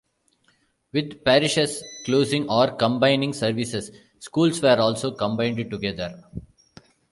With parishes closing or combining services, schools were also combined together.